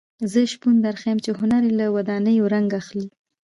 زه شپون درښیم چې هنر یې له ودانیو رنګ اخلي.